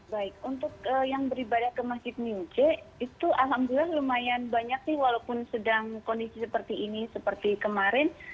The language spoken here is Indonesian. baik untuk yang beribadah ke masjid new c itu alhamdulillah lumayan banyak sih walaupun sedang kondisi seperti ini seperti kemarin